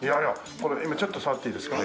これ今ちょっと触っていいですか？